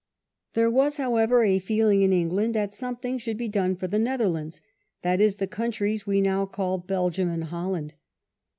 There was, however, a f^otistkn^ ( feeling in England that something should be policy. > done for the Netherlands, that is, the countries we now call Belgium and Holland.